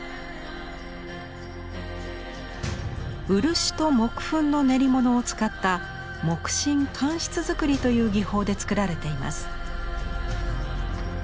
漆と木粉の練り物を使ったという技法でつくられています。